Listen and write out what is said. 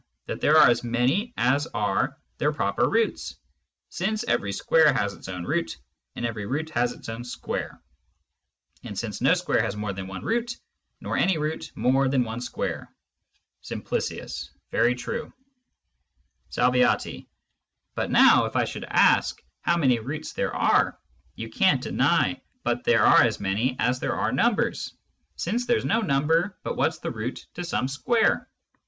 That there are as many as are their proper Roots, since every Square has its own Root, and every Root its own Square, and since no Square has more than one Root, nor any Root more than one Square. " Simp. Very true. ^^ Sah. But now, if I should ask how many Roots there are, you can't deny but there are as many as there are Numbers, since there's no Number but what's the Root to some Square.